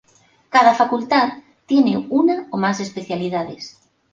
Cada facultad tiene una o más especialidades.